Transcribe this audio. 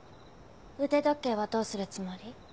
腕時計はどうするつもり？